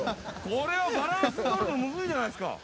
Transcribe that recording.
これはバランスとるの難しいじゃないですか。